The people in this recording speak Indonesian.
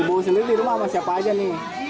bawa sendiri di rumah sama siapa aja nih